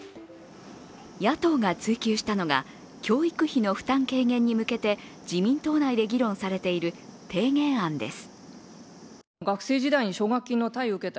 野党が追及したのが、教育費の負担軽減に向けて自民党内で議論されている提言案です。